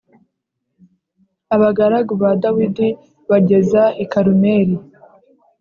Abagaragu ba Dawidi bageza i Karumeli